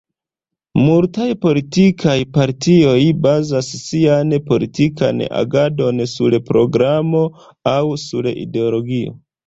Multaj politikaj partioj bazas sian politikan agadon sur programo aŭ sur ideologio.